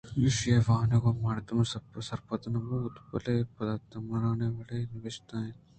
ایشی ءِ وانگ ءَ مردم سرپد نہ بوت بلئے بد تمیزیں وڑے ءَ نبشتہ اَت